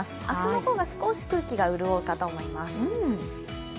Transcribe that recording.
明日の方が少し空気が潤うかと思います。